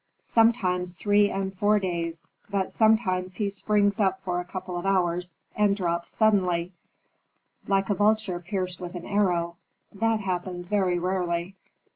"Sometimes three and four days. But sometimes he springs up for a couple of hours, and drops suddenly, like a vulture pierced with an arrow. That happens very rarely."